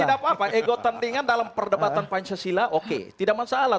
tidak apa apa ego tandingan dalam perdebatan pancasila oke tidak masalah